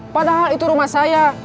padahal itu rumah saya